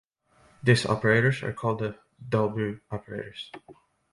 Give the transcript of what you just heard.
These operators are called the Dolbeault operators.